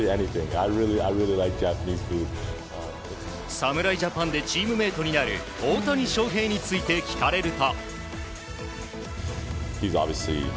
侍ジャパンでチームメートになる大谷翔平について聞かれると。